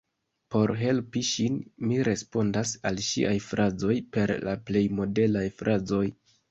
Por helpi ŝin, mi respondas al ŝiaj frazoj per la plej modelaj frazoj.